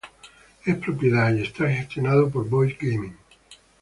Es propiedad y está gestionado por Boyd Gaming.